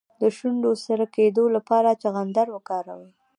د شونډو د سره کیدو لپاره چغندر وکاروئ